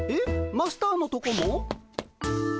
マスターのとこも？